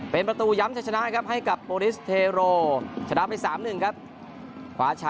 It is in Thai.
เป็นประตูย้ำจะชนะครับให้กับโปรลิสเทโรชนะไป๓๑ครับ